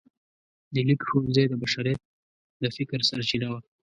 د لیک ښوونځی د بشریت د فکر سرچینه وه.